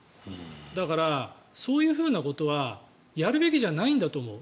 だから、そういうことはやるべきじゃないんだと思う。